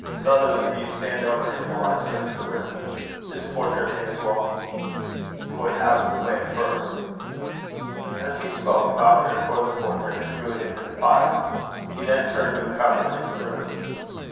Sutherland, you stand over him while I search the room. This portrait may as well be put out of the way first." As he spoke, Falconer tore the portrait and threw it into the fire. He then turned to a cupboard in the room.